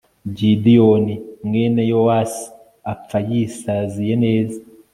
gideyoni, mwene yowasi, apfa yisaziye neza